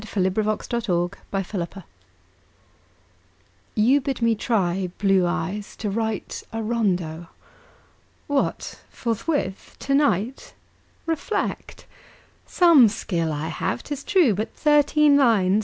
Austin Dobson "You Bid Me Try" YOU bid me try, blue eyes, to write A Rondeau. What! forthwith? tonight? Reflect. Some skill I have, 'tis true; But thirteen lines!